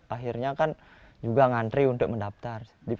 akhirnya kan juga ngantri untuk mendaftar